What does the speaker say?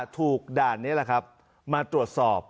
ถูกด่านนี้แหละครับมาตรวจสอบ